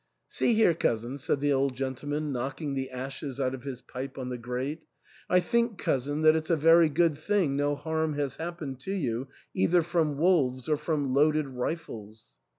" See here, cousin," said the old gentleman, knocking the ashes out of his pipe on the grate, " I think, cousin, that it*s a very good thing no harm has happened to you either from wolves or from loaded rifles."